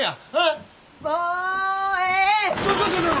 ちょちょちょちょ！